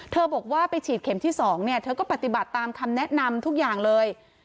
บอกว่าไปฉีดเข็มที่๒เนี่ยเธอก็ปฏิบัติตามคำแนะนำทุกอย่างเลย